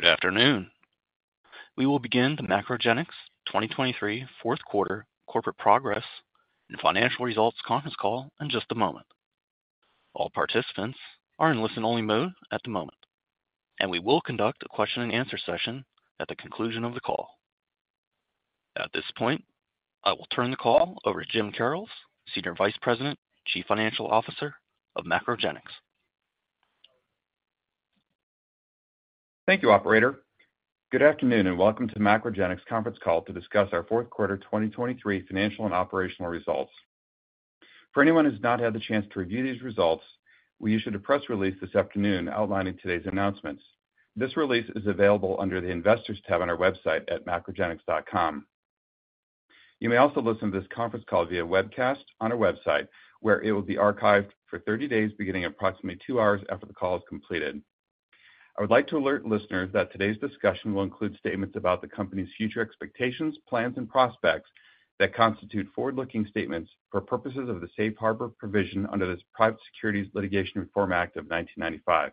Good afternoon. We will begin the MacroGenics 2023 fourth quarter corporate progress and financial results conference call in just a moment. All participants are in listen-only mode at the moment, and we will conduct a question-and-answer session at the conclusion of the call. At this point, I will turn the call over to Jim Karrels, Senior Vice President, Chief Financial Officer of MacroGenics. Thank you, Operator. Good afternoon and welcome to the MacroGenics conference call to discuss our fourth quarter 2023 financial and operational results. For anyone who has not had the chance to review these results, we issued a press release this afternoon outlining today's announcements. This release is available under the Investors tab on our website at macrogenics.com. You may also listen to this conference call via webcast on our website where it will be archived for 30 days beginning approximately two hours after the call is completed. I would like to alert listeners that today's discussion will include statements about the company's future expectations, plans, and prospects that constitute forward-looking statements for purposes of the Safe Harbor provision under the Private Securities Litigation Reform Act of 1995.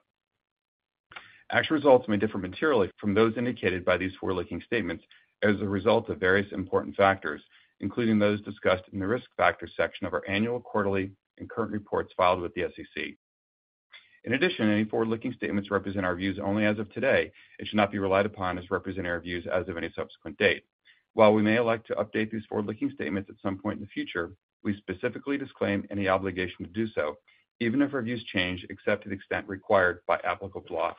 Actual results may differ materially from those indicated by these forward-looking statements as a result of various important factors, including those discussed in the risk factors section of our annual, quarterly, and current reports filed with the SEC. In addition, any forward-looking statements represent our views only as of today and should not be relied upon as representing our views as of any subsequent date. While we may elect to update these forward-looking statements at some point in the future, we specifically disclaim any obligation to do so, even if our views change except to the extent required by applicable law.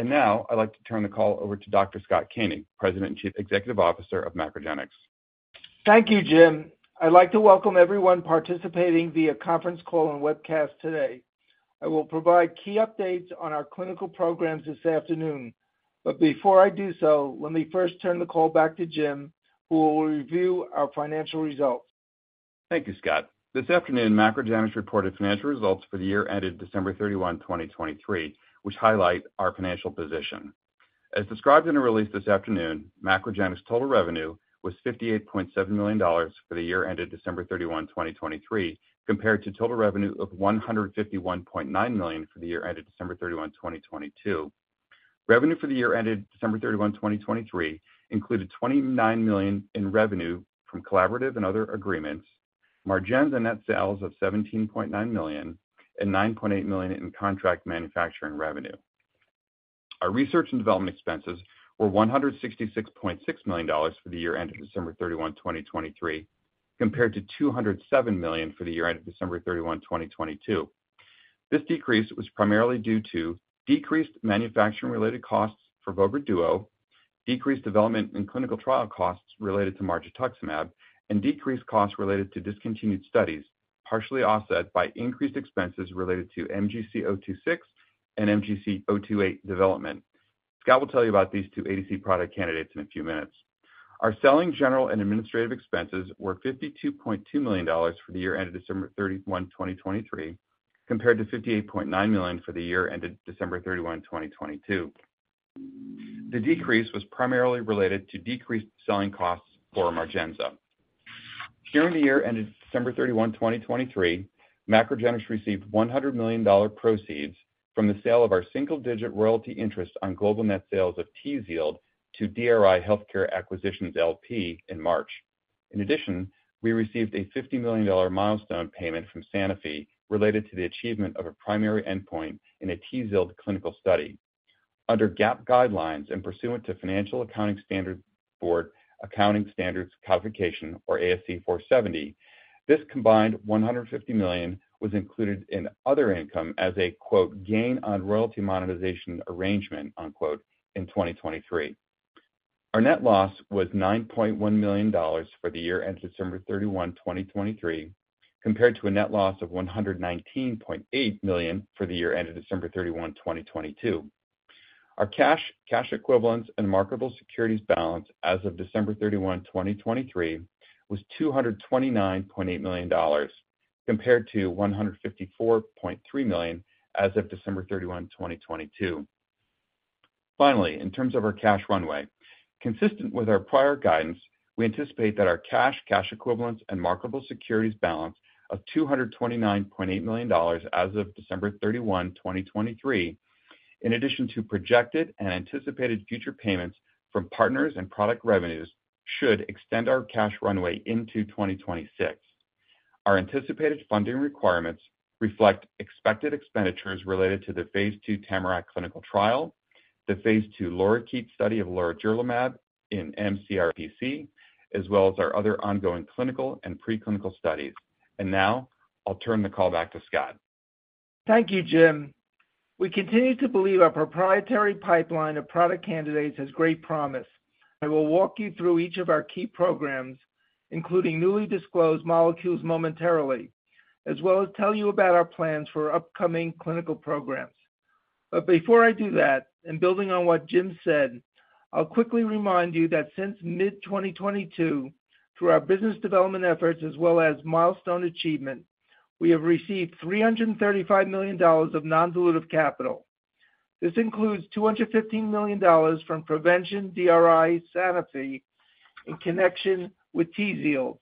Now I'd like to turn the call over to Dr. Scott Koenig, President and Chief Executive Officer of MacroGenics. Thank you, Jim. I'd like to welcome everyone participating via conference call and webcast today. I will provide key updates on our clinical programs this afternoon, but before I do so, let me first turn the call back to Jim, who will review our financial results. Thank you, Scott. This afternoon, MacroGenics reported financial results for the year ended December 31, 2023, which highlight our financial position. As described in a release this afternoon, MacroGenics total revenue was $58.7 million for the year ended December 31, 2023, compared to total revenue of $151.9 million for the year ended December 31, 2022. Revenue for the year ended December 31, 2023 included $29 million in revenue from collaborative and other agreements, MARGENZA and net sales of $17.9 million, and $9.8 million in contract manufacturing revenue. Our research and development expenses were $166.6 million for the year ended December 31, 2023, compared to $207 million for the year ended December 31, 2022. This decrease was primarily due to decreased manufacturing-related costs for Vobra Duo, decreased development and clinical trial costs related to margetuximab, and decreased costs related to discontinued studies, partially offset by increased expenses related to MGC026 and MGC028 development. Scott will tell you about these two ADC product candidates in a few minutes. Our selling, general and administrative expenses were $52.2 million for the year ended December 31, 2023, compared to $58.9 million for the year ended December 31, 2022. The decrease was primarily related to decreased selling costs for MARGENZA. During the year ended December 31, 2023, MacroGenics received $100 million proceeds from the sale of our single-digit royalty interest on global net sales of TZIELD to DRI Healthcare Acquisitions, LP, in March. In addition, we received a $50 million milestone payment from Sanofi related to the achievement of a primary endpoint in a TZIELD clinical study. Under GAAP guidelines and pursuant to Financial Accounting Standards Board Accounting Standards Codification, or ASC 470, this combined $150 million was included in other income as a "gain on royalty monetization arrangement" in 2023. Our net loss was $9.1 million for the year ended December 31, 2023, compared to a net loss of $119.8 million for the year ended December 31, 2022. Our cash equivalents and marketable securities balance as of December 31, 2023, was $229.8 million, compared to $154.3 million as of December 31, 2022. Finally, in terms of our cash runway, consistent with our prior guidance, we anticipate that our cash equivalents and marketable securities balance of $229.8 million as of December 31, 2023, in addition to projected and anticipated future payments from partners and product revenues, should extend our cash runway into 2026. Our anticipated funding requirements reflect expected expenditures related to the Phase II TAMARACK clinical trial, the Phase II LORIKEET study of lorigerlimab in mCRPC, as well as our other ongoing clinical and preclinical studies. Now I'll turn the call back to Scott. Thank you, Jim. We continue to believe our proprietary pipeline of product candidates has great promise. I will walk you through each of our key programs, including newly disclosed molecules momentarily, as well as tell you about our plans for upcoming clinical programs. But before I do that, and building on what Jim said, I'll quickly remind you that since mid-2022, through our business development efforts as well as milestone achievement, we have received $335 million of non-dilutive capital. This includes $215 million from Provention, DRI, Sanofi in connection with TZIELD,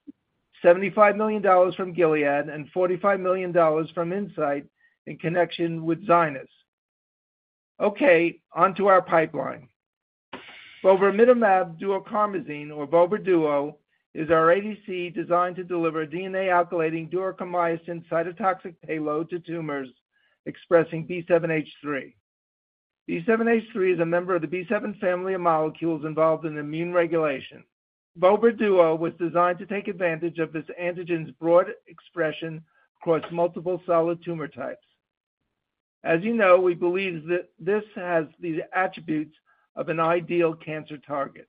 $75 million from Gilead, and $45 million from Incyte in connection with Zynyz. Okay, onto our pipeline. Vobramitamab Duocarmazine, or Vobra Duo, is our ADC designed to deliver DNA-alkylating duocarmycin cytotoxic payload to tumors expressing B7-H3. B7-H3 is a member of the B7 family of molecules involved in immune regulation. Voger Duo was designed to take advantage of this antigen's broad expression across multiple solid tumor types. As you know, we believe that this has the attributes of an ideal cancer target.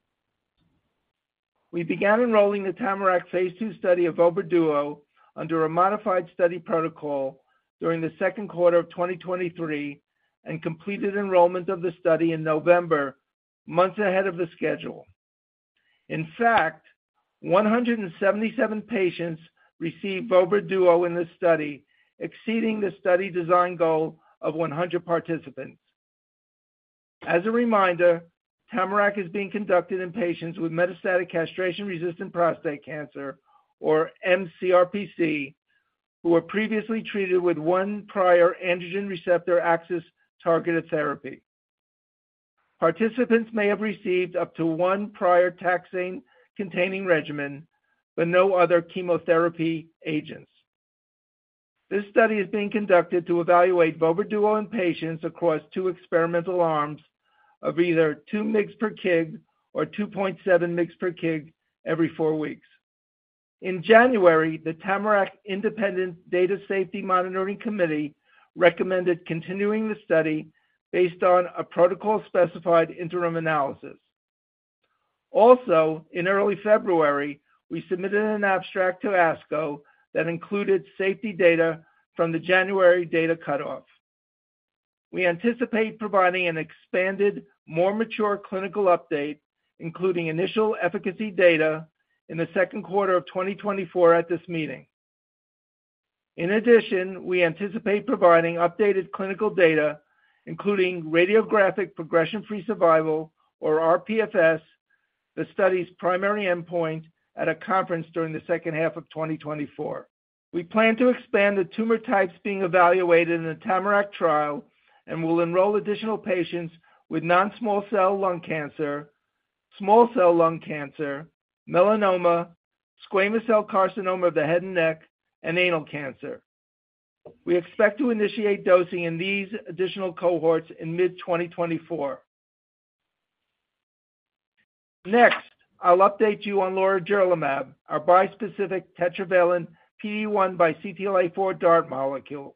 We began enrolling the Tamarack phase II study of Voger Duo under a modified study protocol during the second quarter of 2023 and completed enrollment of the study in November, months ahead of the schedule. In fact, 177 patients received Voger Duo in this study, exceeding the study design goal of 100 participants. As a reminder, Tamarack is being conducted in patients with metastatic castration-resistant prostate cancer, or MCRPC, who were previously treated with one prior antigen receptor axis targeted therapy. Participants may have received up to one prior taxane-containing regimen, but no other chemotherapy agents. This study is being conducted to evaluate Voger Duo in patients across two experimental arms of either 2 mg/kg or 2.7 mg/kg every four weeks. In January, the Tamarack Independent Data Safety Monitoring Committee recommended continuing the study based on a protocol-specified interim analysis. Also, in early February, we submitted an abstract to ASCO that included safety data from the January data cutoff. We anticipate providing an expanded, more mature clinical update, including initial efficacy data, in the second quarter of 2024 at this meeting. In addition, we anticipate providing updated clinical data, including radiographic progression-free survival, or rPFS, the study's primary endpoint, at a conference during the second half of 2024. We plan to expand the tumor types being evaluated in the TAMARACK trial and will enroll additional patients with non-small cell lung cancer, small cell lung cancer, melanoma, squamous cell carcinoma of the head and neck, and anal cancer. We expect to initiate dosing in these additional cohorts in mid-2024. Next, I'll update you on lorigerlimab, our bispecific tetravalent PD-1 x CTLA-4 DART molecule.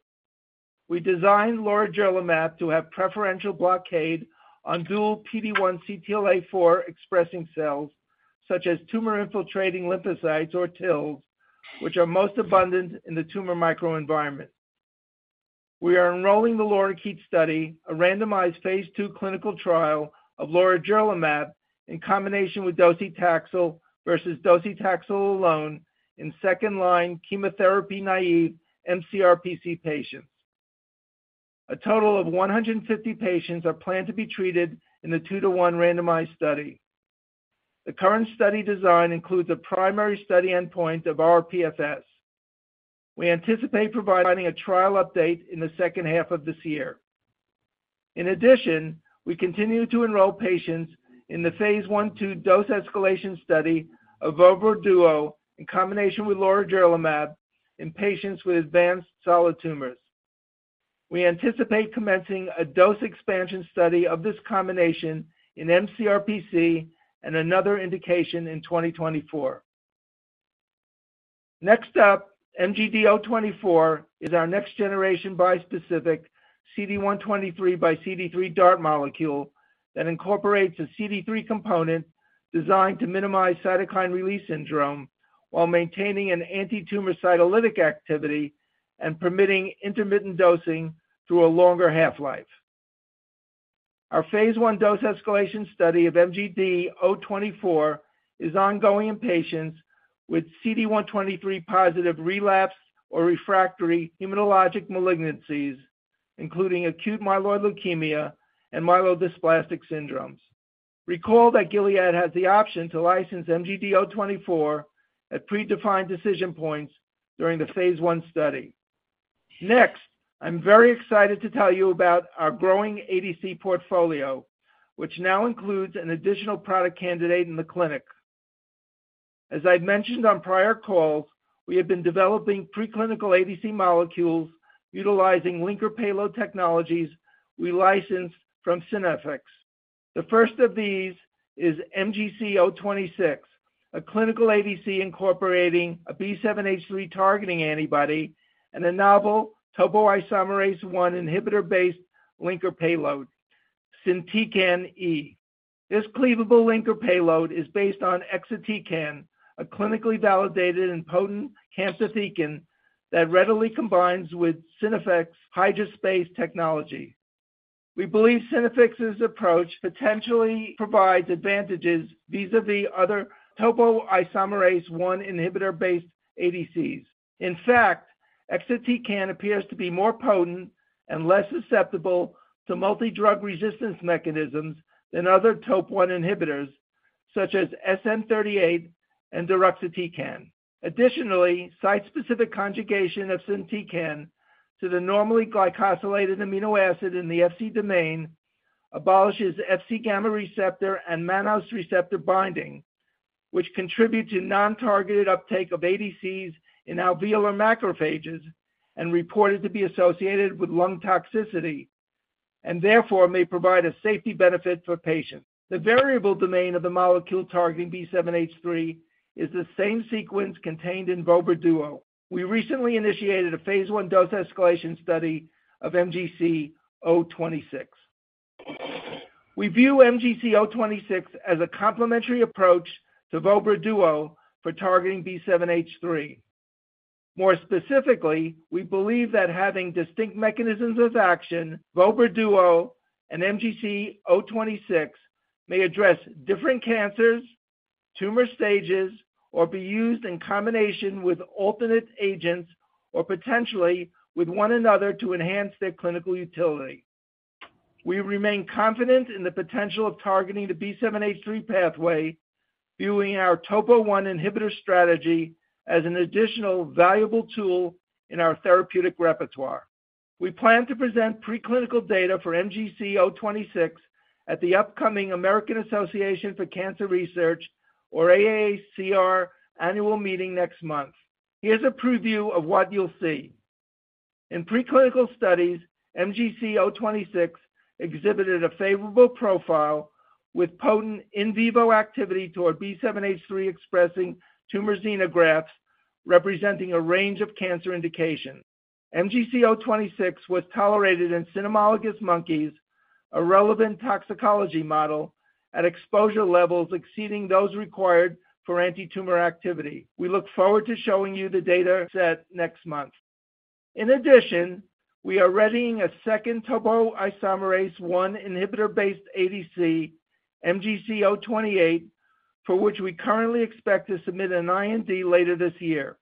We designed lorigerlimab to have preferential blockade on dual PD-1 CTLA-4 expressing cells, such as tumor-infiltrating lymphocytes or TILs, which are most abundant in the tumor microenvironment. We are enrolling the LORIKEET study, a randomized phase 2 clinical trial of lorigerlimab in combination with docetaxel versus docetaxel alone in second-line chemotherapy-naïve mCRPC patients. A total of 150 patients are planned to be treated in the 2:1 randomized study. The current study design includes a primary study endpoint of rPFS. We anticipate providing a trial update in the second half of this year. In addition, we continue to enroll patients in the phase 1/2 dose escalation study of Voger Duo in combination with lorigerlimab in patients with advanced solid tumors. We anticipate commencing a dose expansion study of this combination in mCRPC and another indication in 2024. Next up, MGD024 is our next-generation bispecific CD123 × CD3 DART molecule that incorporates a CD3 component designed to minimize cytokine release syndrome while maintaining an anti-tumor cytolytic activity and permitting intermittent dosing through a longer half-life. Our phase 1 dose escalation study of MGD024 is ongoing in patients with CD123-positive relapsed or refractory hematologic malignancies, including acute myeloid leukemia and myelodysplastic syndromes. Recall that Gilead has the option to license MGD024 at predefined decision points during the phase 1 study. Next, I'm very excited to tell you about our growing ADC portfolio, which now includes an additional product candidate in the clinic. As I've mentioned on prior calls, we have been developing preclinical ADC molecules utilizing linker payload technologies we licensed from Synaffix. The first of these is MGC026, a clinical ADC incorporating a B7-H3 targeting antibody and a novel topoisomerase I inhibitor-based linker payload, SYNtecan E. This cleavable linker payload is based on exatecan, a clinically validated and potent camptothecin that readily combines with Synaffix's HydraSpace-based technology. We believe Synaffix's approach potentially provides advantages vis-à-vis other topoisomerase I inhibitor-based ADCs. In fact, exatecan appears to be more potent and less susceptible to multi-drug resistance mechanisms than other TOP1 inhibitors, such as SN-38 and deruxtecan. Additionally, site-specific conjugation of SYNtecan to the normally glycosylated amino acid in the Fc domain abolishes Fc gamma receptor and mannose receptor binding, which contribute to non-targeted uptake of ADCs in alveolar macrophages and reported to be associated with lung toxicity, and therefore may provide a safety benefit for patients. The variable domain of the molecule targeting B7-H3 is the same sequence contained in Voger Duo. We recently initiated a phase 1 dose escalation study of MGC026. We view MGC026 as a complementary approach to Voger Duo for targeting B7-H3. More specifically, we believe that having distinct mechanisms of action, Voger Duo and MGC026 may address different cancers, tumor stages, or be used in combination with alternate agents or potentially with one another to enhance their clinical utility. We remain confident in the potential of targeting the B7-H3 pathway, viewing our TOP1 inhibitor strategy as an additional valuable tool in our therapeutic repertoire. We plan to present preclinical data for MGC026 at the upcoming American Association for Cancer Research, or AACR, annual meeting next month. Here's a preview of what you'll see. In preclinical studies, MGC026 exhibited a favorable profile with potent in vivo activity toward B7-H3 expressing tumor xenografts representing a range of cancer indications. MGC026 was tolerated in cynomolgus monkeys, a relevant toxicology model, at exposure levels exceeding those required for anti-tumor activity. We look forward to showing you the data set next month. In addition, we are readying a second topoisomerase I inhibitor-based ADC, MGC028, for which we currently expect to submit an IND later this year.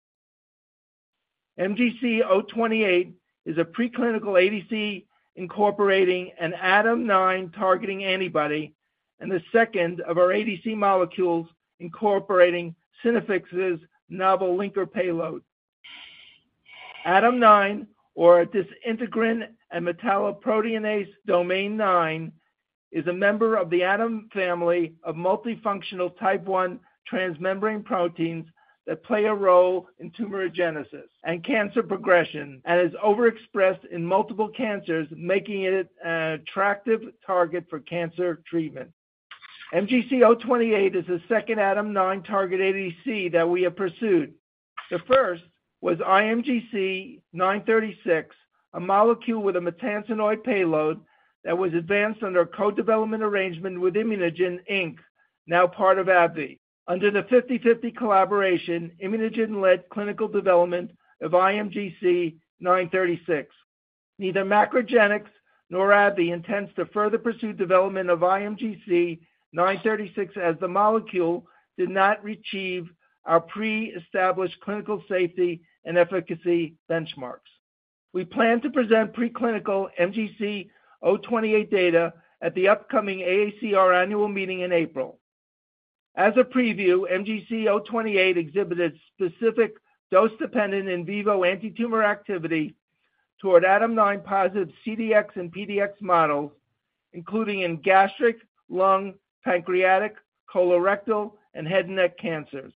MGC028 is a preclinical ADC incorporating an ADAM9 targeting antibody and the second of our ADC molecules incorporating Synaffix's novel linker payload. ADAM9, or disintegrin and metalloproteinase domain 9, is a member of the ADAM family of multifunctional type I transmembrane proteins that play a role in tumorigenesis and cancer progression and is overexpressed in multiple cancers, making it an attractive target for cancer treatment. MGC028 is the second ADAM9 target ADC that we have pursued. The first was IMGC936, a molecule with a maytansinoid payload that was advanced under a co-development arrangement with ImmunoGen, Inc., now part of AbbVie, under the 50/50 collaboration ImmunoGen-led clinical development of IMGC936. Neither MacroGenics nor AbbVie intends to further pursue development of IMGC936 as the molecule did not achieve our pre-established clinical safety and efficacy benchmarks. We plan to present preclinical MGC028 data at the upcoming AACR annual meeting in April. As a preview, MGC028 exhibited specific dose-dependent in vivo anti-tumor activity toward ADAM9-positive CDX and PDX models, including in gastric, lung, pancreatic, colorectal, and head and neck cancers.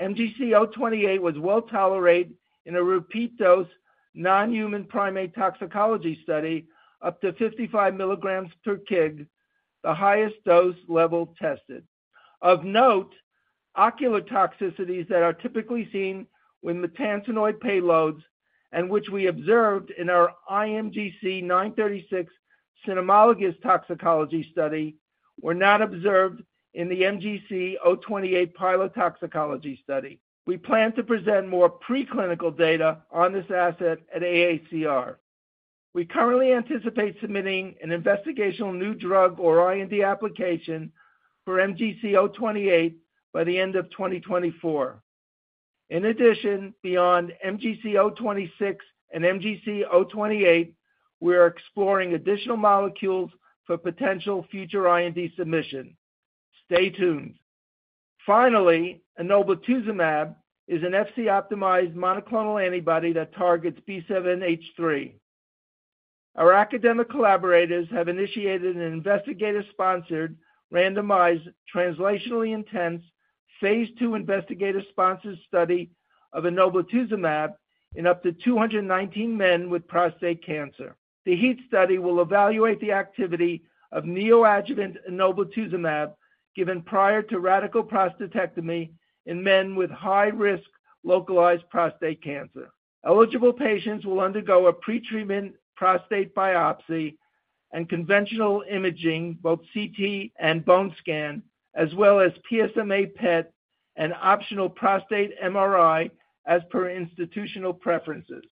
MGC028 was well tolerated in a repeat dose non-human primate toxicology study up to 55 milligrams per kg, the highest dose level tested. Of note, ocular toxicities that are typically seen with maytansinoid payloads and which we observed in our IMGC936 cynomolgus toxicology study were not observed in the MGC028 pilot toxicology study. We plan to present more preclinical data on this asset at AACR. We currently anticipate submitting an investigational new drug or IND application for MGC028 by the end of 2024. In addition, beyond MGC026 and MGC028, we are exploring additional molecules for potential future IND submission. Stay tuned. Finally, enoblituzumab is an Fc-optimized monoclonal antibody that targets B7-H3. Our academic collaborators have initiated an investigator-sponsored, randomized, translationally intense phase 2 investigator-sponsored study of enoblituzumab in up to 219 men with prostate cancer. The HEAT study will evaluate the activity of neoadjuvant enoblituzumab given prior to radical prostatectomy in men with high-risk localized prostate cancer. Eligible patients will undergo a pretreatment prostate biopsy and conventional imaging, both CT and bone scan, as well as PSMA PET and optional prostate MRI as per institutional preferences.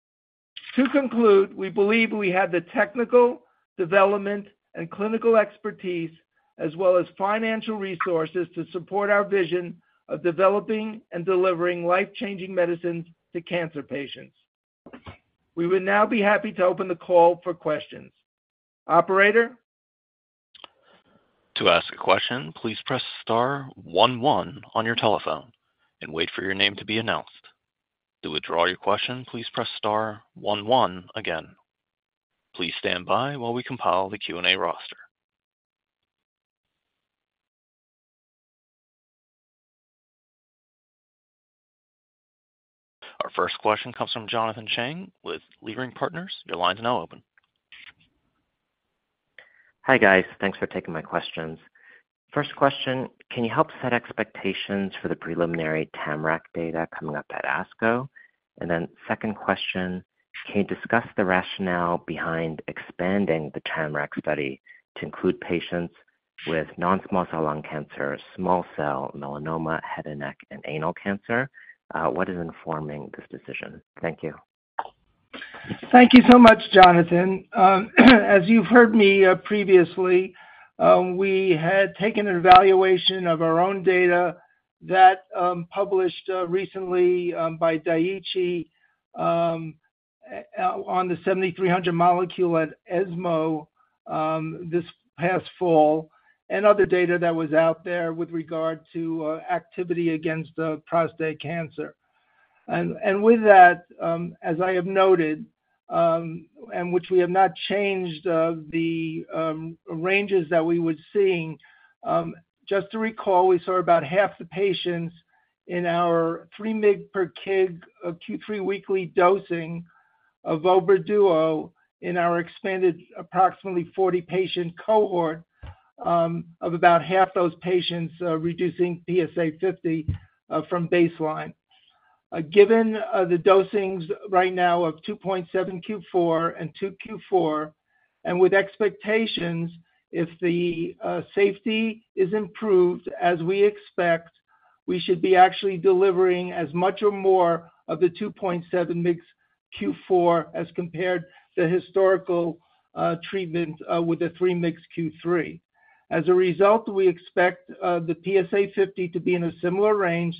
To conclude, we believe we have the technical, development, and clinical expertise as well as financial resources to support our vision of developing and delivering life-changing medicines to cancer patients. We would now be happy to open the call for questions. Operator? To ask a question, please press *11 on your telephone and wait for your name to be announced. To withdraw your question, please press *11 again. Please stand by while we compile the Q&A roster. Our first question comes from Jonathan Chang with Leerink Partners. Your line's now open. Hi guys. Thanks for taking my questions. First question, can you help set expectations for the preliminary TAMARACK data coming up at ASCO? And then second question, can you discuss the rationale behind expanding the TAMARACK study to include patients with non-small cell lung cancer, small cell lung cancer, head and neck, and anal cancer? What is informing this decision? Thank you. Thank you so much, Jonathan. As you've heard me previously, we had taken an evaluation of our own data that published recently by Daiichi on the DS-7300 molecule at ESMO this past fall and other data that was out there with regard to activity against prostate cancer. And with that, as I have noted, and which we have not changed the ranges that we were seeing, just to recall, we saw about half the patients in our 3 mg per kg q3 weekly dosing of Voger Duo in our expanded approximately 40-patient cohort of about half those patients reducing PSA 50 from baseline. Given the dosings right now of 2.7 q4 and 2 q4 and with expectations if the safety is improved as we expect, we should be actually delivering as much or more of the 2.7 mgs q4 as compared to the historical treatment with the 3 mgs q3. As a result, we expect the PSA 50 to be in a similar range,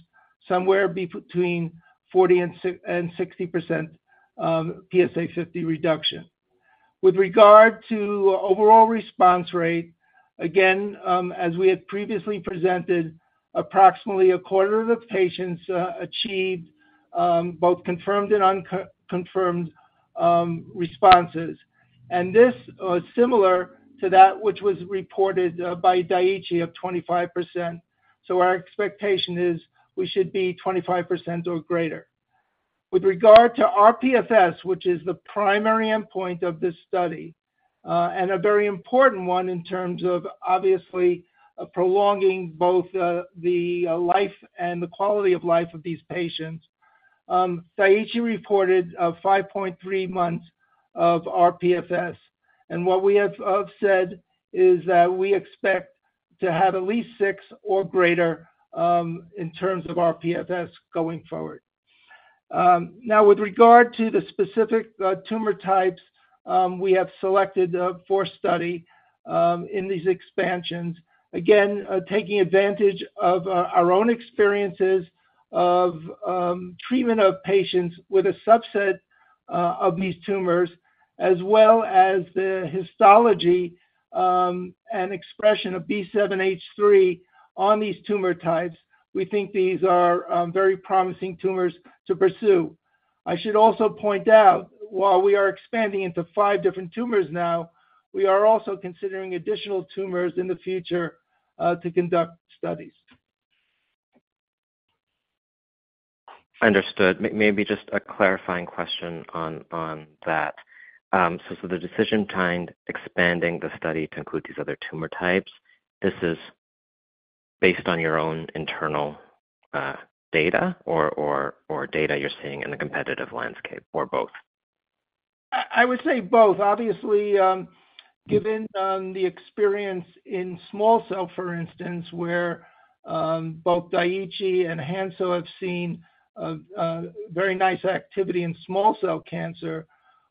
somewhere between 40%-60% PSA 50 reduction. With regard to overall response rate, again, as we had previously presented, approximately a quarter of the patients achieved both confirmed and unconfirmed responses. This was similar to that which was reported by Daiichi of 25%. So our expectation is we should be 25% or greater. With regard to rPFS, which is the primary endpoint of this study and a very important one in terms of obviously prolonging both the life and the quality of life of these patients, Daiichi reported 5.3 months of rPFS. What we have said is that we expect to have at least 6 or greater in terms of rPFS going forward. Now, with regard to the specific tumor types, we have selected for study in these expansions, again, taking advantage of our own experiences of treatment of patients with a subset of these tumors as well as the histology and expression of B7-H3 on these tumor types, we think these are very promising tumors to pursue. I should also point out, while we are expanding into five different tumors now, we are also considering additional tumors in the future to conduct studies. Understood. Maybe just a clarifying question on that. So the decision behind expanding the study to include these other tumor types, this is based on your own internal data or data you're seeing in the competitive landscape or both? I would say both. Obviously, given the experience in small cell, for instance, where both Daiichi and Hansoh have seen very nice activity in small cell cancer,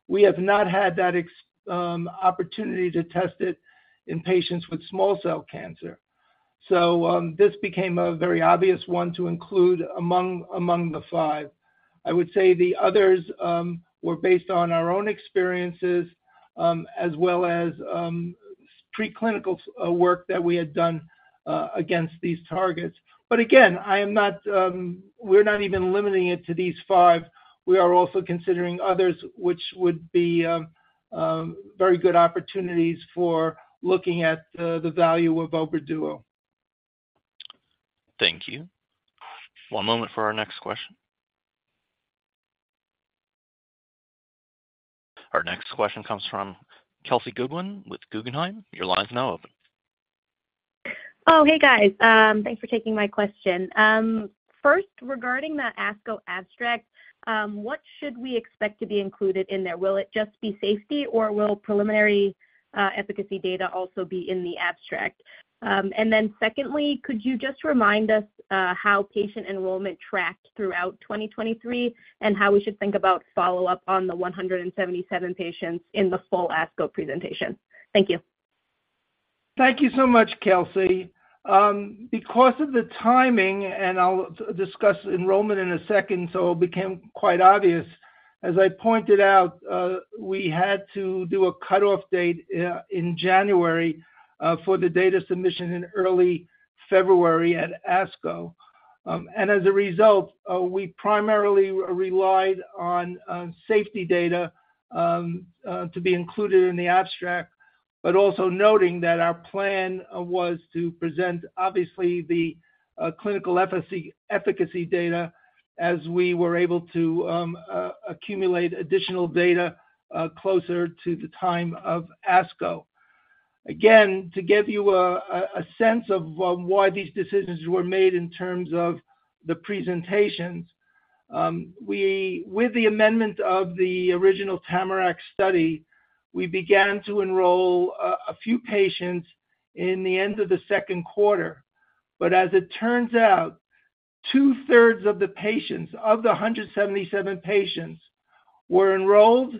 we have not had that opportunity to test it in patients with small cell cancer. So this became a very obvious one to include among the five. I would say the others were based on our own experiences as well as preclinical work that we had done against these targets. But again, we're not even limiting it to these five. We are also considering others which would be very good opportunities for looking at the value of Voger Duo. Thank you. One moment for our next question. Our next question comes from Kelsey Goodwin with Guggenheim. Your line's now open. Oh, hey guys. Thanks for taking my question. First, regarding that ASCO abstract, what should we expect to be included in there? Will it just be safety, or will preliminary efficacy data also be in the abstract? And then secondly, could you just remind us how patient enrollment tracked throughout 2023 and how we should think about follow-up on the 177 patients in the full ASCO presentation? Thank you. Thank you so much, Kelsey. Because of the timing, and I'll discuss enrollment in a second, so it became quite obvious, as I pointed out, we had to do a cutoff date in January for the data submission in early February at ASCO. And as a result, we primarily relied on safety data to be included in the abstract, but also noting that our plan was to present, obviously, the clinical efficacy data as we were able to accumulate additional data closer to the time of ASCO. Again, to give you a sense of why these decisions were made in terms of the presentations, with the amendment of the original TAMARACK study, we began to enroll a few patients in the end of the second quarter. But as it turns out, two-thirds of the patients of the 177 patients were enrolled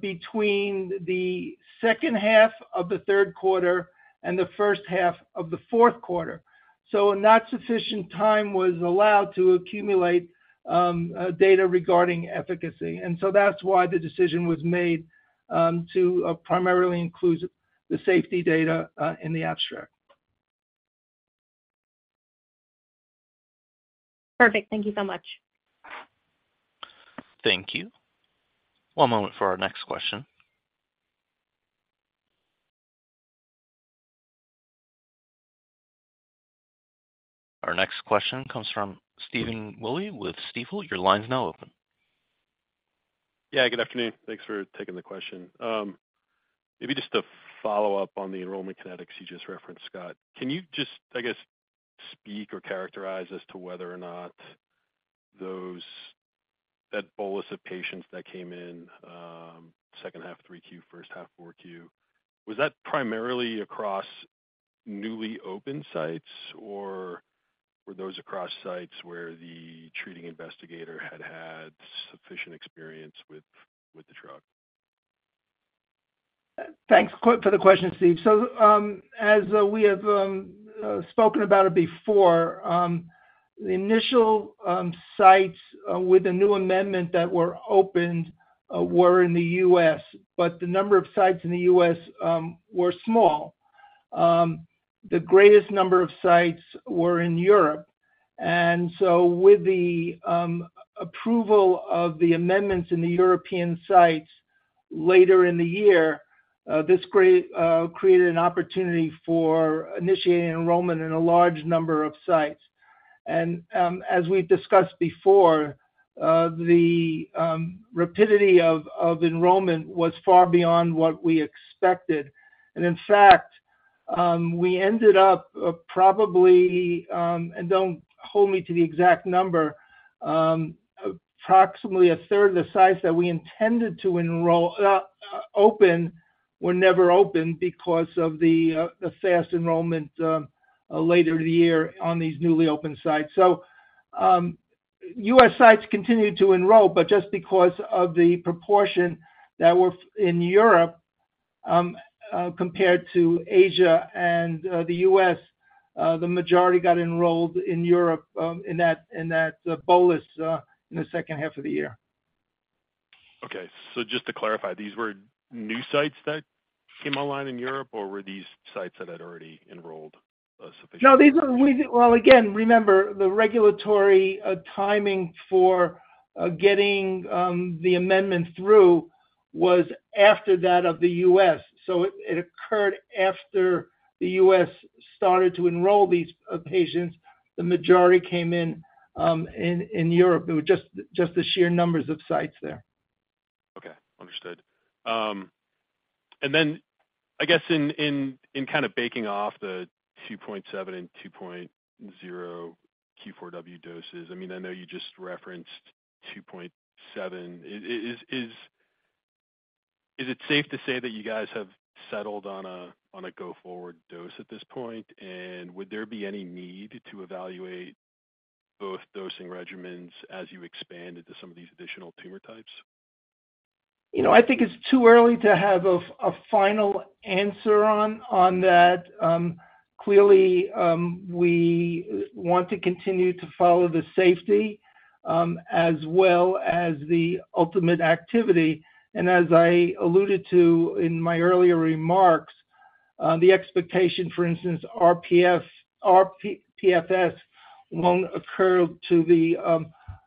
between the second half of the third quarter and the first half of the fourth quarter. So not sufficient time was allowed to accumulate data regarding efficacy. And so that's why the decision was made to primarily include the safety data in the abstract. Perfect. Thank you so much. Thank you. One moment for our next question. Our next question comes from Stephen Woolley with Stifel. Your line's now open. Yeah. Good afternoon. Thanks for taking the question. Maybe just a follow-up on the enrollment kinetics you just referenced, Scott. Can you just, I guess, speak or characterize as to whether or not that bolus of patients that came in, second half 3Q, first half 4Q, was that primarily across newly open sites, or were those across sites where the treating investigator had had sufficient experience with the drug? Thanks for the question, Steve. So as we have spoken about it before, the initial sites with the new amendment that were opened were in the U.S., but the number of sites in the U.S. were small. The greatest number of sites were in Europe. And so with the approval of the amendments in the European sites later in the year, this created an opportunity for initiating enrollment in a large number of sites. And as we've discussed before, the rapidity of enrollment was far beyond what we expected. In fact, we ended up probably - and don't hold me to the exact number - approximately a third of the sites that we intended to open were never opened because of the fast enrollment later in the year on these newly open sites. So U.S. sites continued to enroll, but just because of the proportion that were in Europe compared to Asia and the U.S., the majority got enrolled in Europe in that bolus in the second half of the year. Okay. So just to clarify, these were new sites that came online in Europe, or were these sites that had already enrolled sufficiently? No. Well, again, remember, the regulatory timing for getting the amendment through was after that of the U.S. So it occurred after the U.S. started to enroll these patients. The majority came in Europe. It was just the sheer numbers of sites there. Okay. Understood. Then I guess in kind of basing off the 2.7 and 2.0 q4W doses, I mean, I know you just referenced 2.7. Is it safe to say that you guys have settled on a go-forward dose at this point? And would there be any need to evaluate both dosing regimens as you expand into some of these additional tumor types? I think it's too early to have a final answer on that. Clearly, we want to continue to follow the safety as well as the ultimate activity. And as I alluded to in my earlier remarks, the expectation, for instance, rPFS won't occur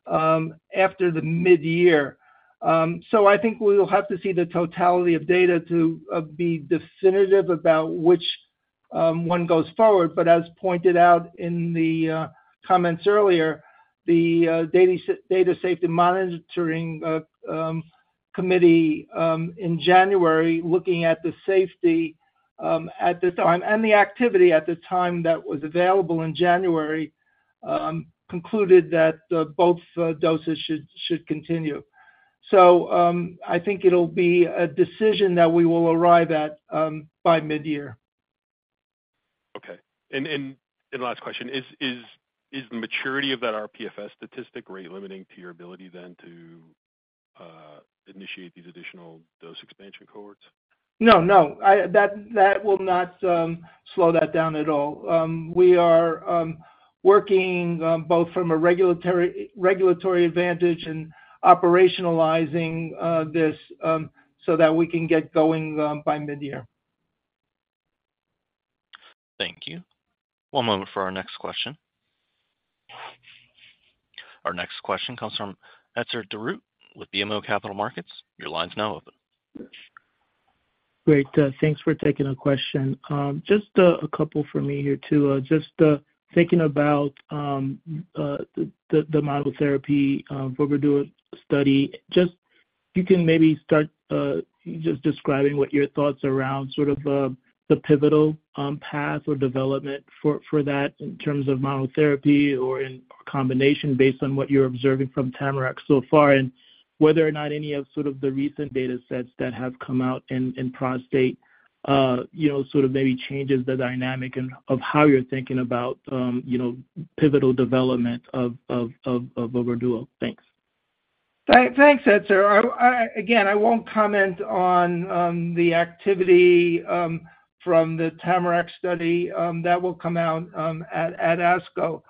after the mid-year. So I think we'll have to see the totality of data to be definitive about which one goes forward. But as pointed out in the comments earlier, the Data Safety Monitoring Committee in January looking at the safety at the time and the activity at the time that was available in January concluded that both doses should continue. So I think it'll be a decision that we will arrive at by mid-year. Okay. And last question, is the maturity of that rPFS statistic rate limiting to your ability then to initiate these additional dose expansion cohorts? No. No. That will not slow that down at all. We are working both from a regulatory advantage and operationalizing this so that we can get going by mid-year. Thank you. One moment for our next question. Our next question comes from Etzer Darout with BMO Capital Markets. Your line's now open. Great. Thanks for taking the question. Just a couple for me here too. Just thinking about the monotherapy Voger Duo study, just if you can maybe start just describing what your thoughts are around sort of the pivotal path or development for that in terms of monotherapy or in combination based on what you're observing from TAMARACK so far and whether or not any of sort of the recent datasets that have come out in prostate sort of maybe changes the dynamic of how you're thinking about pivotal development of Voger Duo. Thanks. Thanks, Etzer. Again, I won't comment on the activity from the TAMARACK study. That will come out at ASCO.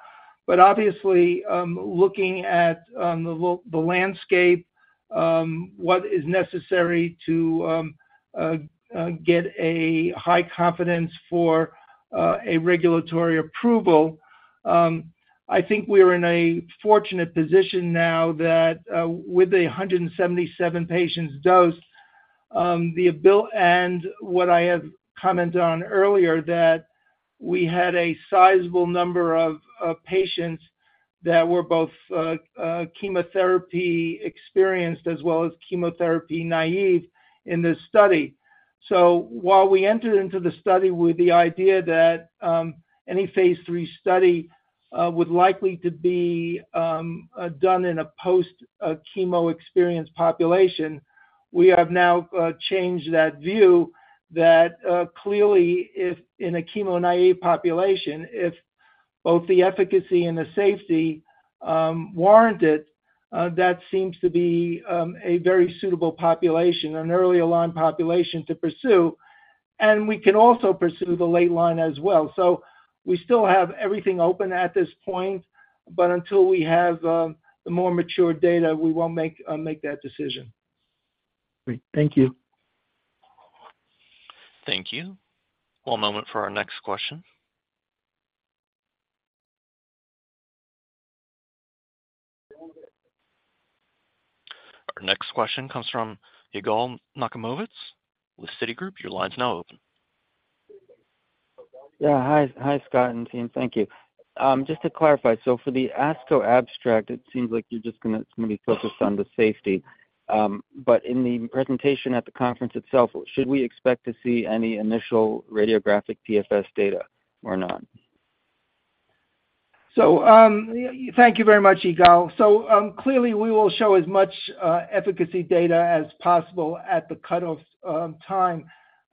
But obviously, looking at the landscape, what is necessary to get a high confidence for a regulatory approval, I think we are in a fortunate position now that with the 177 patients dosed, and what I had commented on earlier, that we had a sizable number of patients that were both chemotherapy experienced as well as chemotherapy naive in this study. So while we entered into the study with the idea that any phase 3 study would likely to be done in a post-chemo experienced population, we have now changed that view that clearly, in a chemo-naive population, if both the efficacy and the safety warrant it, that seems to be a very suitable population, an early-aligned population to pursue. And we can also pursue the late line as well. So we still have everything open at this point, but until we have the more mature data, we won't make that decision. Great. Thank you. Thank you. One moment for our next question. Our next question comes from Yigal Nochomovitz with Citigroup. Your line's now open. Yeah. Hi, Scott and team. Thank you. Just to clarify, so for the ASCO abstract, it seems like it's going to be focused on the safety. But in the presentation at the conference itself, should we expect to see any initial radiographic PFS data or not? So thank you very much, Yigal. So clearly, we will show as much efficacy data as possible at the cutoff time.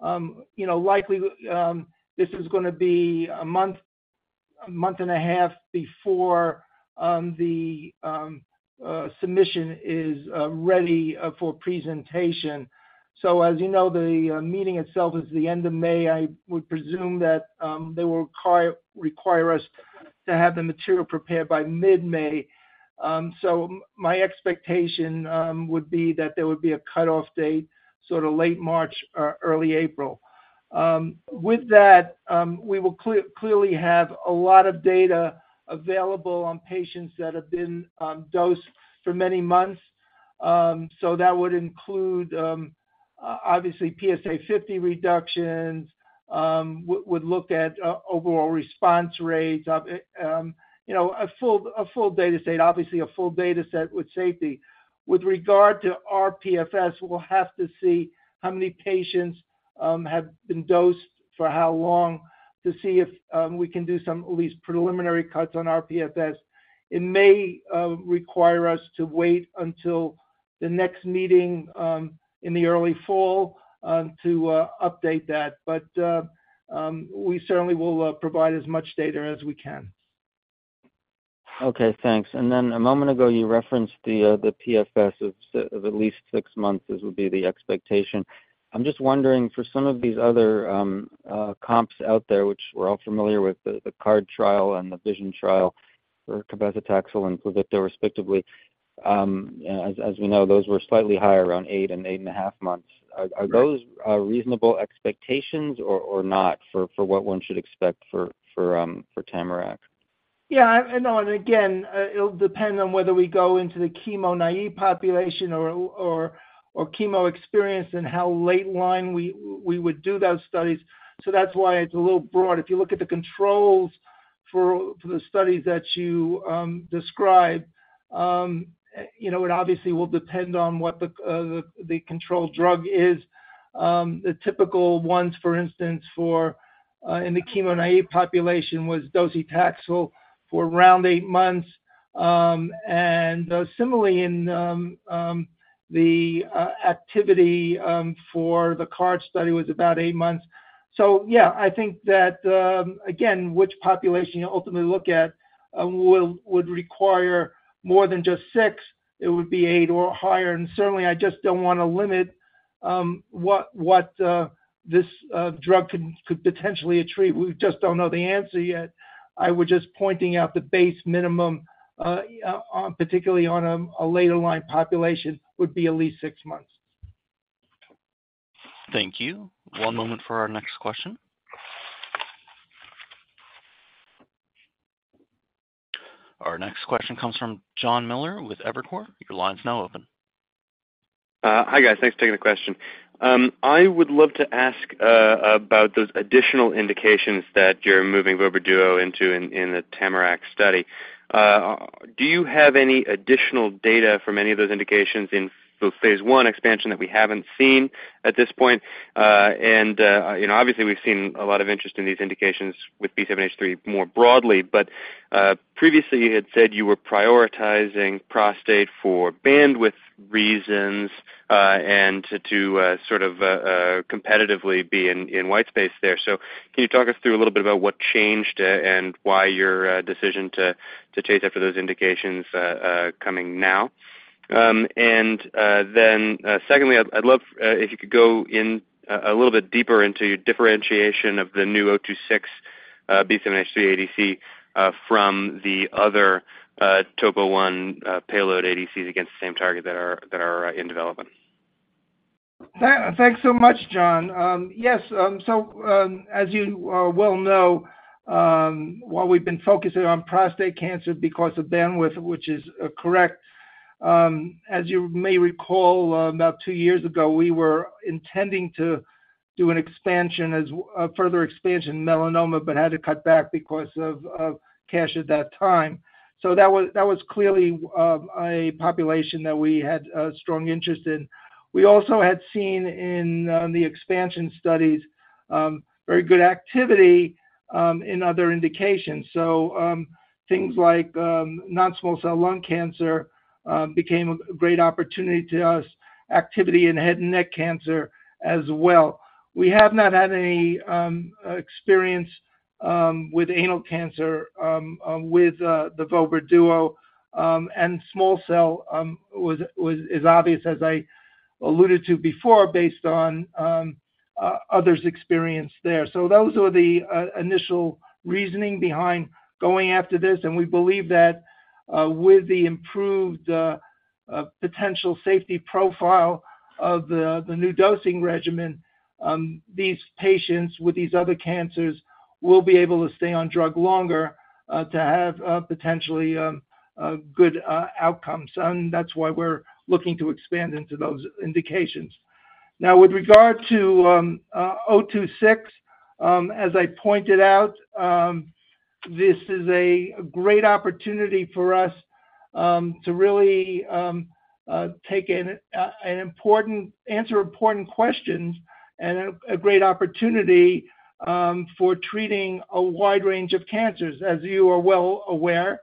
Likely, this is going to be a month, a month and a half before the submission is ready for presentation. So as you know, the meeting itself is the end of May. I would presume that they will require us to have the material prepared by mid-May. So my expectation would be that there would be a cutoff date, sort of late March, early April. With that, we will clearly have a lot of data available on patients that have been dosed for many months. So that would include, obviously, PSA50 reductions, would look at overall response rates, a full dataset, obviously, a full dataset with safety. With regard to rPFS, we'll have to see how many patients have been dosed for how long to see if we can do some at least preliminary cuts on rPFS. It may require us to wait until the next meeting in the early fall to update that. But we certainly will provide as much data as we can. Okay. Thanks. And then a moment ago, you referenced the PFS of at least 6 months. This would be the expectation. I'm just wondering, for some of these other comps out there, which we're all familiar with, the CAR-T trial and the Vision trial for cabazitaxel and Pluvicto, respectively, as we know, those were slightly higher, around 8 and 8.5 months. Are those reasonable expectations or not for what one should expect for TAMARACK? Yeah. No. And again, it'll depend on whether we go into the chemo-naive population or chemo-experienced and how late-line we would do those studies. So that's why it's a little broad. If you look at the controls for the studies that you described, it obviously will depend on what the controlled drug is. The typical ones, for instance, in the chemo-naive population was docetaxel for around 8 months. And similarly, in the activity for the CAR-T study was about 8 months. So yeah, I think that, again, which population you ultimately look at would require more than just 6. It would be 8 or higher. And certainly, I just don't want to limit what this drug could potentially achieve. We just don't know the answer yet. I was just pointing out the base minimum, particularly on a later-line population, would be at least 6 months. Thank you. One moment for our next question. Our next question comes from Jon Miller Your line's now open. Hi guys. Thanks for taking the question. I would love to ask about those additional indications that you're moving Voger Duo into in the TAMARACK study. Do you have any additional data from any of those indications in the phase one expansion that we haven't seen at this point? And obviously, we've seen a lot of interest in these indications with B7-H3 more broadly. But previously, you had said you were prioritizing prostate for bandwidth reasons and to sort of competitively be in white space there. So can you talk us through a little bit about what changed and why your decision to chase after those indications coming now? And then secondly, I'd love if you could go in a little bit deeper into your differentiation of the new 026 B7-H3 ADC from the other TOPO-1 payload ADCs against the same target that are in development. Thanks so much, Jon. Yes. So as you well know, while we've been focusing on prostate cancer because of bandwidth, which is correct, as you may recall, about two years ago, we were intending to do further expansion in melanoma but had to cut back because of cash at that time. So that was clearly a population that we had strong interest in. We also had seen in the expansion studies very good activity in other indications. So things like non-small cell lung cancer became a great opportunity to us, activity in head and neck cancer as well. We have not had any experience with anal cancer with the Voger Duo. And small cell is obvious, as I alluded to before, based on others' experience there. So those were the initial reasoning behind going after this. And we believe that with the improved potential safety profile of the new dosing regimen, these patients with these other cancers will be able to stay on drug longer to have potentially good outcomes. And that's why we're looking to expand into those indications. Now, with regard to 026, as I pointed out, this is a great opportunity for us to really take an answer to important questions and a great opportunity for treating a wide range of cancers. As you are well aware,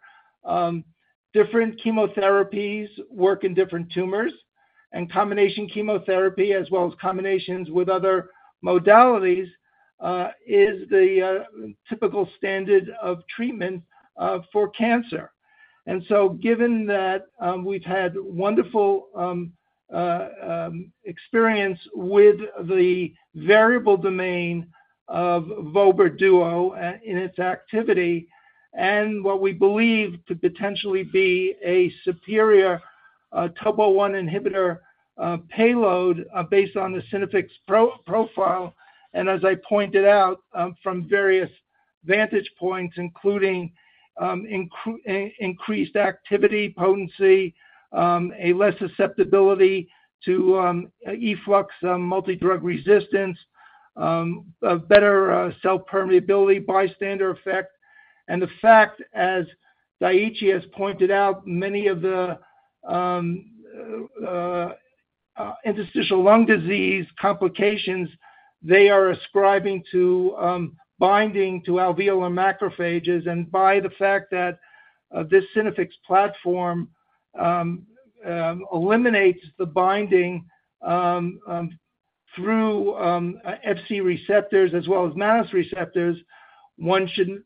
different chemotherapies work in different tumors. Combination chemotherapy, as well as combinations with other modalities, is the typical standard of treatment for cancer. So given that we've had wonderful experience with the variable domain of Voger Duo in its activity and what we believe could potentially be a superior TOPO-1 inhibitor payload based on the Synaffix profile, and as I pointed out, from various vantage points, including increased activity potency, a less susceptibility to efflux, multidrug resistance, better cell permeability, bystander effect, and the fact, as Daiichi has pointed out, many of the interstitial lung disease complications, they are ascribing to binding to alveolar macrophages. By the fact that this Synaffix platform eliminates the binding through Fc receptors as well as mannose receptors, one should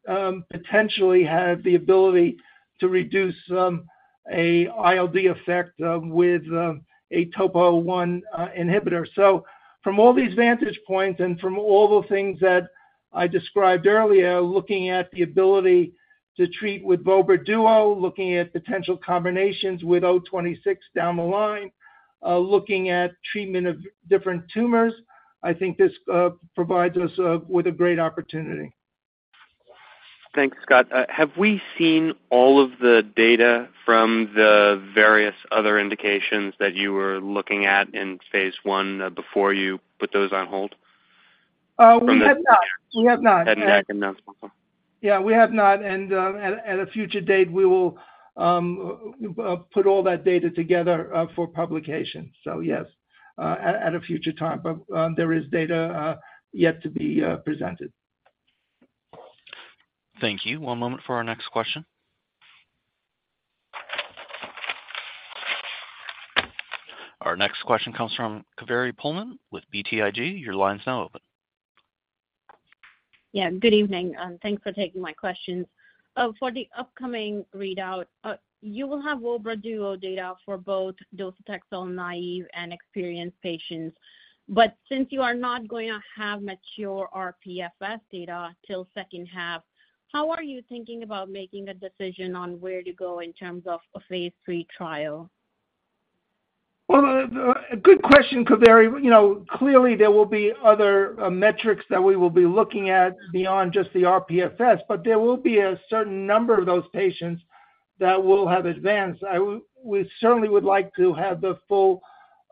potentially have the ability to reduce an ILD effect with a topo-1 inhibitor. So from all these vantage points and from all the things that I described earlier, looking at the ability to treat with Voger Duo, looking at potential combinations with 026 down the line, looking at treatment of different tumors, I think this provides us with a great opportunity. Thanks, Scott. Have we seen all of the data from the various other indications that you were looking at in phase 1 before you put those on hold? We have not. We have not. Head, neck, and non-small cell? Yeah. We have not. And at a future date, we will put all that data together for publication. So yes, at a future time. But there is data yet to be presented. Thank you. One moment for our next question. Our next question comes from Kaveri Pohlman with BTIG. Your line's now open. Yeah. Good evening. Thanks for taking my questions. For the upcoming readout, you will have Voger Duo data for both docetaxel-naive and experienced patients. But since you are not going to have mature rPFS data till second half, how are you thinking about making a decision on where to go in terms of a phase III trial? Well, good question, Kaveri. Clearly, there will be other metrics that we will be looking at beyond just the rPFS. But there will be a certain number of those patients that will have advanced. We certainly would like to have the full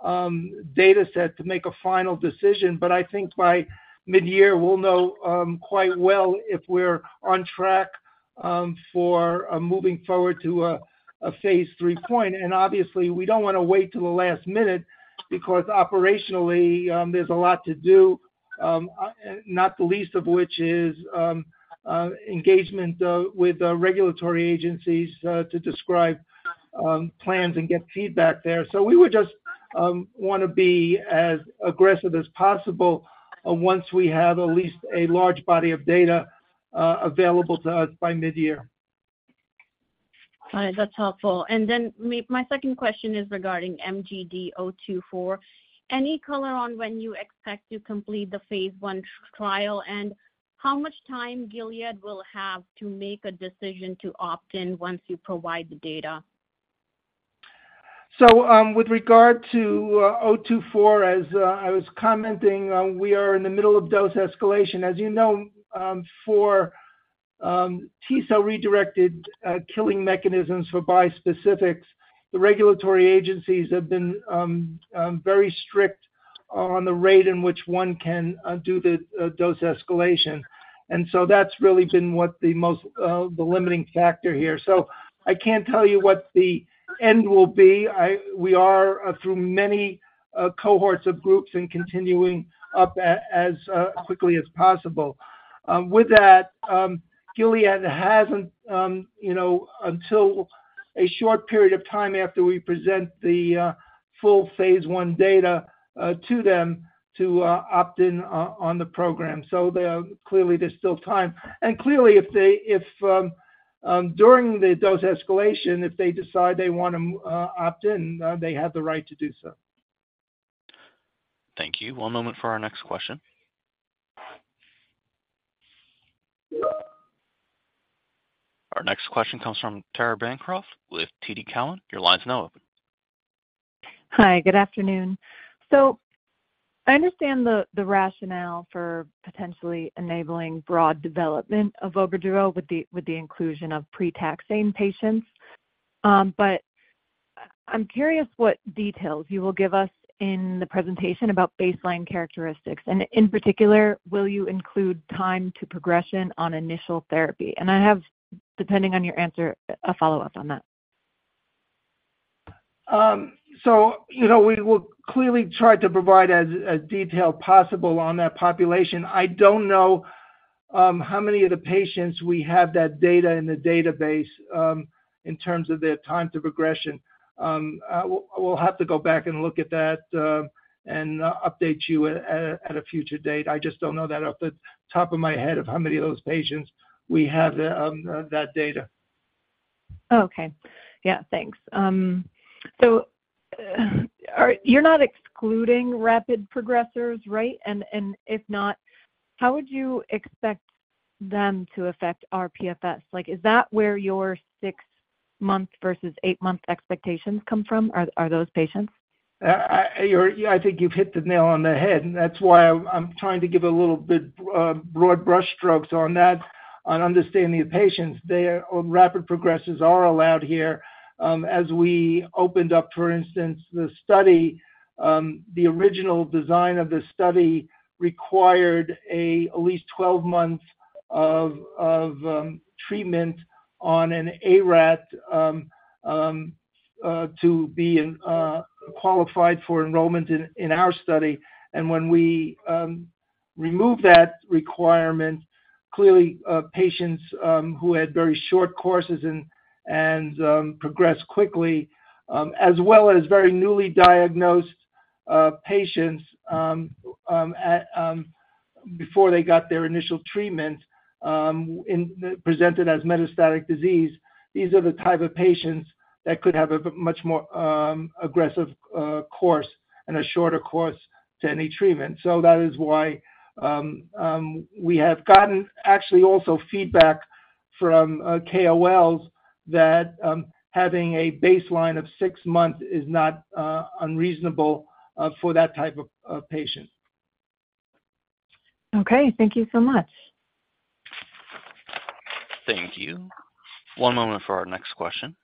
dataset to make a final decision. But I think by mid-year, we'll know quite well if we're on track for moving forward to a phase III point. And obviously, we don't want to wait till the last minute because operationally, there's a lot to do, not the least of which is engagement with regulatory agencies to describe plans and get feedback there. So we would just want to be as aggressive as possible once we have at least a large body of data available to us by mid-year. All right. That's helpful. And then my second question is regarding MGD024. Any color on when you expect to complete the phase I trial? And how much time Gilead will have to make a decision to opt in once you provide the data? So with regard to 024, as I was commenting, we are in the middle of dose escalation. As you know, for T-cell redirected killing mechanisms for bispecifics, the regulatory agencies have been very strict on the rate in which one can do the dose escalation. And so that's really been the limiting factor here. So I can't tell you what the end will be. We are through many cohorts of groups and continuing up as quickly as possible. With that, Gilead hasn't until a short period of time after we present the full phase I data to them to opt in on the program. So clearly, there's still time. And clearly, during the dose escalation, if they decide they want to opt in, they have the right to do so. Thank you. One moment for our next question. Our next question comes from Tara Bancroft with TD Cowen. Your line's now open. Hi. Good afternoon. I understand the rationale for potentially enabling broad development of Voger Duo with the inclusion of pre-taxane patients. But I'm curious what details you will give us in the presentation about baseline characteristics? In particular, will you include time to progression on initial therapy? I have, depending on your answer, a follow-up on that. We will clearly try to provide as detailed as possible on that population. I don't know how many of the patients we have that data in the database in terms of their time to progression. We'll have to go back and look at that and update you at a future date. I just don't know that off the top of my head of how many of those patients we have that data. Okay. Yeah. Thanks. You're not excluding rapid progressors, right? If not, how would you expect them to affect rPFS? Is that where your 6-month versus 8-month expectations come from, are those patients? I think you've hit the nail on the head. That's why I'm trying to give a little bit broad brush strokes on that on understanding the patients. Rapid progressors are allowed here. As we opened up, for instance, the study, the original design of the study required at least 12 months of treatment on an ARAT to be qualified for enrollment in our study. When we removed that requirement, clearly, patients who had very short courses and progressed quickly, as well as very newly diagnosed patients before they got their initial treatment presented as metastatic disease, these are the type of patients that could have a much more aggressive course and a shorter course to any treatment. So that is why we have gotten actually also feedback from KOLs that having a baseline of six months is not unreasonable for that type of patient. Okay. Thank you so much. Thank you. One moment for our next question.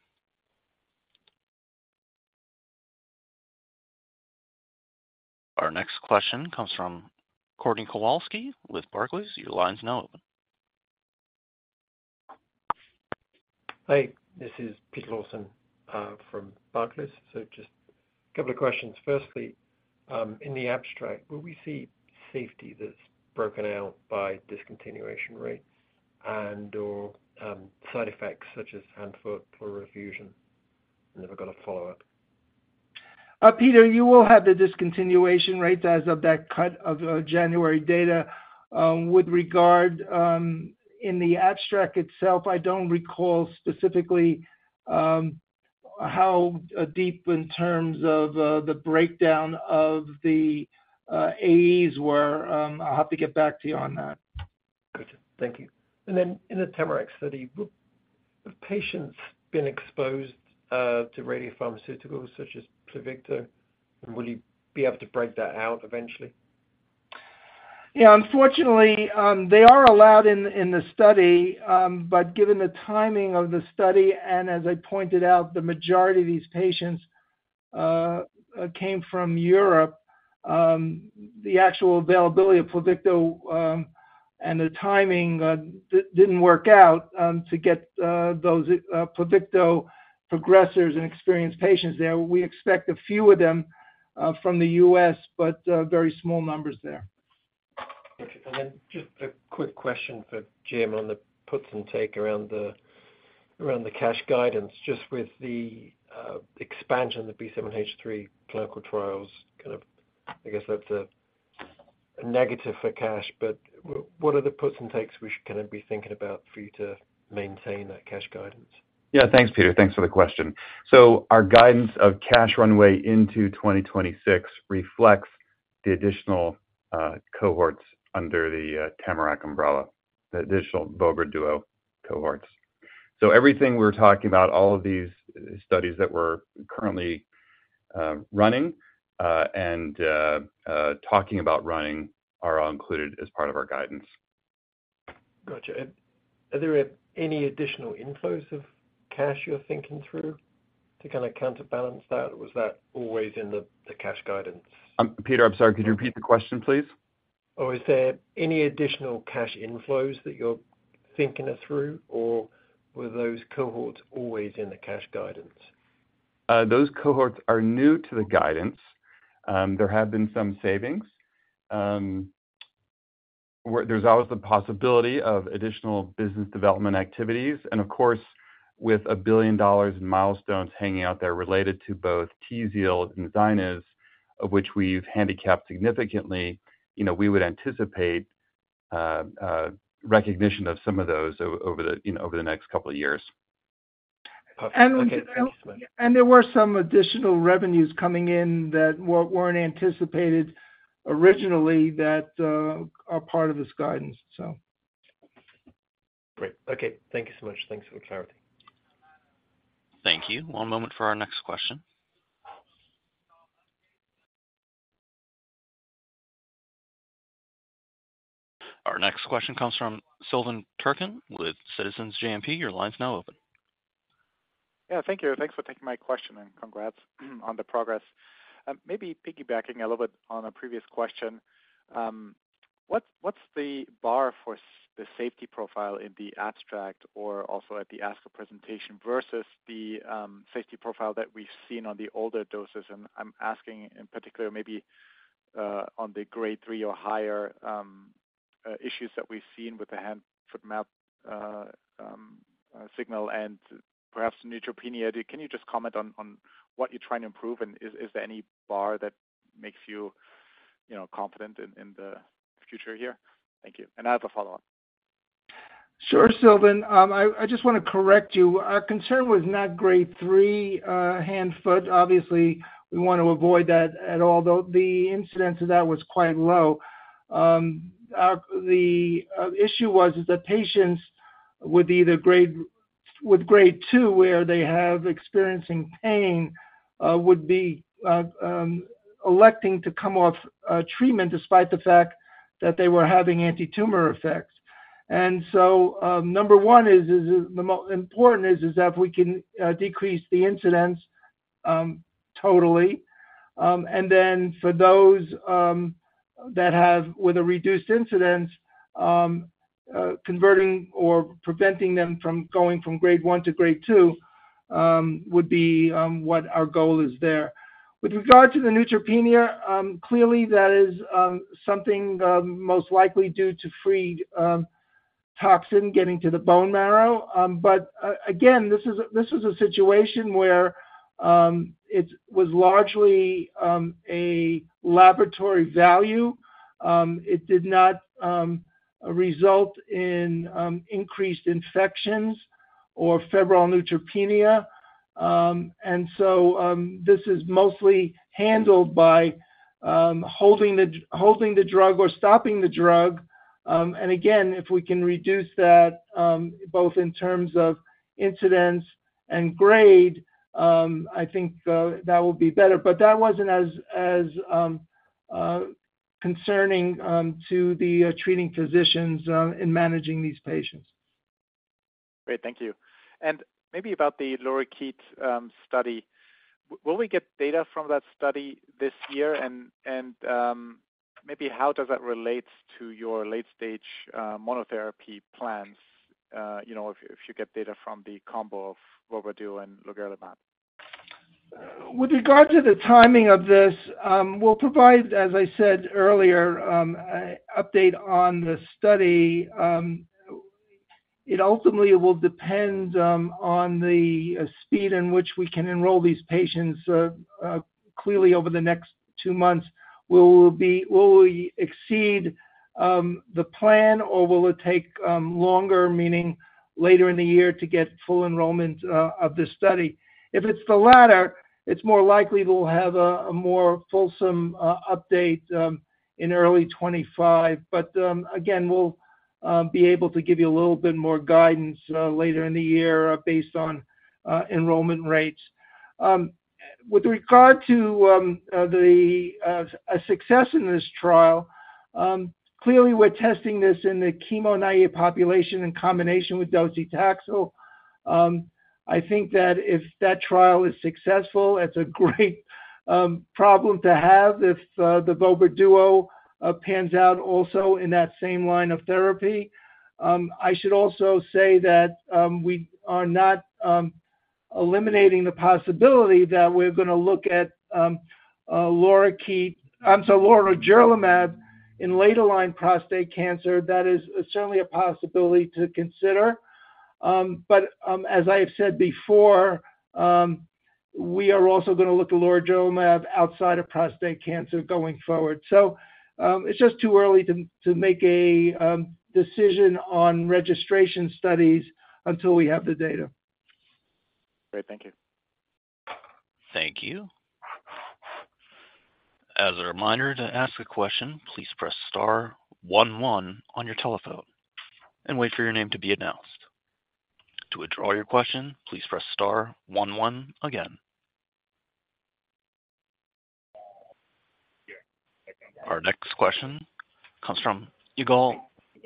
Our next question comes from Courtney Kowalski with Barclays. Your line's now open. Hi. This is Peter Lawson from Barclays. So just a couple of questions. Firstly, in the abstract, will we see safety that's broken out by discontinuation rates and/or side effects such as hand-foot, pleural effusion and never got a follow-up? Peter, you will have the discontinuation rates as of that cut of January data. With regard in the abstract itself, I don't recall specifically how deep in terms of the breakdown of the AEs were. I'll have to get back to you on that. Good. Thank you. Then in the TAMARACK study, have patients been exposed to radiopharmaceuticals such as Pluvicto? And will you be able to break that out eventually? Yeah. Unfortunately, they are allowed in the study. But given the timing of the study and as I pointed out, the majority of these patients came from Europe, the actual availability of Pluvicto and the timing didn't work out to get those Pluvicto progressors and experienced patients there. We expect a few of them from the US but very small numbers there. Okay. And then just a quick question for Jim on the puts and takes around the cash guidance, just with the expansion of the B7-H3 clinical trials. Kind of, I guess, that's a negative for cash. But what are the puts and takes we should kind of be thinking about for you to maintain that cash guidance? Yeah. Thanks, Peter. Thanks for the question. So our guidance of cash runway into 2026 reflects the additional cohorts under the TEMRX umbrella, the additional Voger Duo cohorts. So everything we're talking about, all of these studies that we're currently running and talking about running are all included as part of our guidance. Gotcha. Are there any additional inflows of cash you're thinking through to kind of counterbalance that? Or was that always in the cash guidance? Peter, I'm sorry. Could you repeat the question, please? Oh, is there any additional cash inflows that you're thinking through? Or were those cohorts always in the cash guidance? Those cohorts are new to the guidance. There have been some savings. There's always the possibility of additional business development activities. And of course, with $1 billion in milestones hanging out there related to both TZIELD and Zynyz, of which we've handicapped significantly, we would anticipate recognition of some of those over the next couple of years. Perfect. Thank you so much. And there were some additional revenues coming in that weren't anticipated originally that are part of this guidance, so. Great. Okay. Thank you so much. Thanks for the clarity. Thank you. One moment for our next question. Our next question comes from Silvan Tuerkcan with Citizens JMP. Your line's now open. Yeah. Thank you. Thanks for taking my question. And congrats on the progress. Maybe piggybacking a little bit on a previous question, what's the bar for the safety profile in the abstract or also at the ASCO presentation versus the safety profile that we've seen on the lower doses? I'm asking in particular maybe on the grade three or higher issues that we've seen with the hand-foot syndrome and perhaps neutropenia. Can you just comment on what you're trying to improve? And is there any data that makes you confident in the future here? Thank you. And I have a follow-up. Sure, Silvan. I just want to correct you. Our concern was not grade three hand-foot. Obviously, we want to avoid that at all. Though the incidence of that was quite low, the issue was that patients with grade two where they were experiencing pain would be electing to come off treatment despite the fact that they were having antitumor effects. And so number one is the most important is that if we can decrease the incidence totally. And then for those that have with a reduced incidence, converting or preventing them from going from grade one to grade two would be what our goal is there. With regard to the neutropenia, clearly, that is something most likely due to free toxin getting to the bone marrow. But again, this was a situation where it was largely a laboratory value. It did not result in increased infections or febrile neutropenia. And so this is mostly handled by holding the drug or stopping the drug. And again, if we can reduce that both in terms of incidence and grade, I think that will be better. But that wasn't as concerning to the treating physicians in managing these patients. Great. Thank you. And maybe about the LORIKEET study, will we get data from that study this year? Maybe how does that relate to your late-stage monotherapy plans if you get data from the combo of Voger Duo and lorigerlimab? With regard to the timing of this, we'll provide, as I said earlier, an update on the study. It ultimately will depend on the speed in which we can enroll these patients. Clearly, over the next two months, will we exceed the plan? Or will it take longer, meaning later in the year, to get full enrollment of the study? If it's the latter, it's more likely we'll have a more fulsome update in early 2025. But again, we'll be able to give you a little bit more guidance later in the year based on enrollment rates. With regard to the success in this trial, clearly, we're testing this in the chemo-naïve population in combination with docetaxel. I think that if that trial is successful, it's a great problem to have if the Voger Duo pans out also in that same line of therapy. I should also say that we are not eliminating the possibility that we're going to look at LORIKEET. I'm sorry, LORIKEET in late-line prostate cancer. That is certainly a possibility to consider. But as I have said before, we are also going to look at LORIKEET outside of prostate cancer going forward. So it's just too early to make a decision on registration studies until we have the data. Great. Thank you. Thank you. As a reminder to ask a question, please press star one one on your telephone and wait for your name to be announced. To withdraw your question, please press star one one again. Our next question comes from Yigal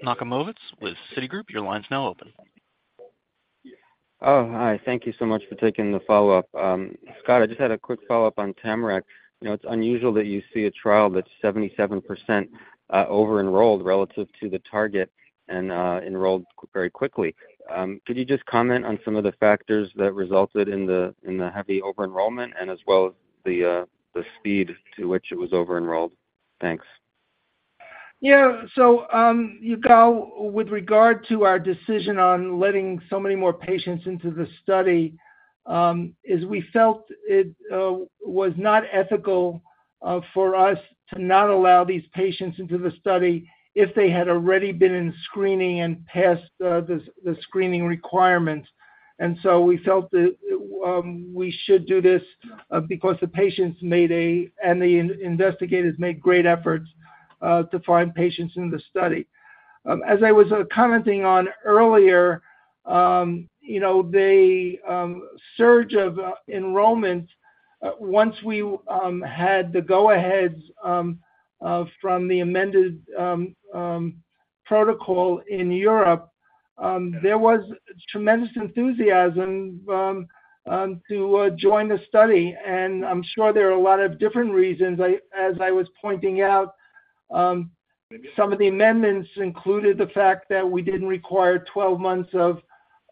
Nochomovitz with Citigroup. Your line's now open. Oh, hi. Thank you so much for taking the follow-up. Scott, I just had a quick follow-up on TEMRX. It's unusual that you see a trial that's 77% over-enrolled relative to the target and enrolled very quickly. Could you just comment on some of the factors that resulted in the heavy over-enrollment and as well as the speed to which it was over-enrolled? Thanks. Yeah. So Yigal, with regard to our decision on letting so many more patients into the study, we felt it was not ethical for us to not allow these patients into the study if they had already been in screening and passed the screening requirements. And so we felt that we should do this because the patients made a and the investigators made great efforts to find patients in the study. As I was commenting on earlier, the surge of enrollment, once we had the go-aheads from the amended protocol in Europe, there was tremendous enthusiasm to join the study. And I'm sure there are a lot of different reasons. As I was pointing out, some of the amendments included the fact that we didn't require 12 months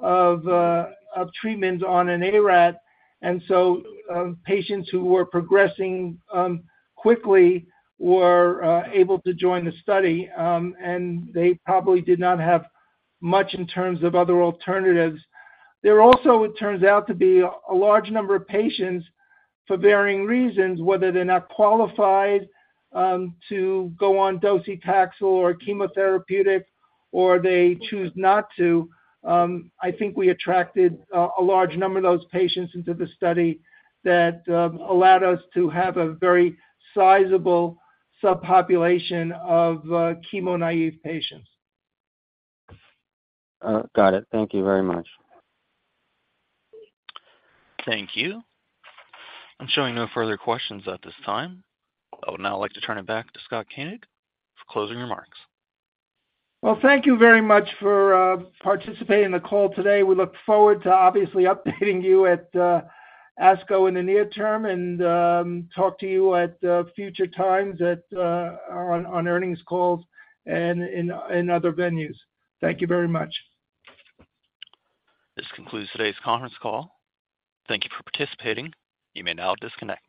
of treatments on an ARAT. And so patients who were progressing quickly were able to join the study. And they probably did not have much in terms of other alternatives. There also, it turns out, to be a large number of patients for varying reasons, whether they're not qualified to go on docetaxel or chemotherapeutic or they choose not to. I think we attracted a large number of those patients into the study that allowed us to have a very sizable subpopulation of chemo-naive patients. Got it. Thank you very much. Thank you. I'm showing no further questions at this time. I would now like to turn it back to Scott Koenig for closing remarks. Well, thank you very much for participating in the call today. We look forward to, obviously, updating you at ASCO in the near term and talk to you at future times on earnings calls and in other venues. Thank you very much. This concludes today's conference call. Thank you for participating. You may now disconnect.